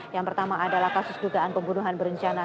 yang pertama adalah kasus dugaan pembunuhan berencana